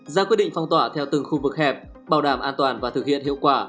ra quyết định phong tỏa theo từng khu vực hẹp bảo đảm an toàn và thực hiện hiệu quả